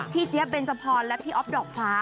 พี่เจี๊ยบเบนเจ้าพรและพี่ออฟดอกฟ้า